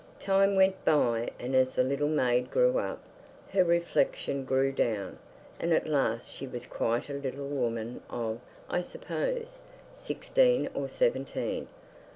Time went by, and as the little maid grew up, her reflection grew down, and at last she was quite a little woman of, I suppose, sixteen or seventeen.